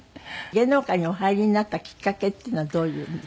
芸能界にお入りになったきっかけっていうのはどういう。